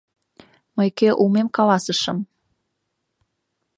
Мый кӧ улмем каласышым.